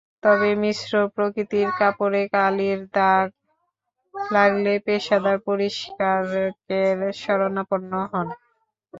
তবে মিশ্র প্রকৃতির কাপড়ে কালির দাগ লাগলে পেশাদার পরিষ্কারকের শরণাপন্ন হোন।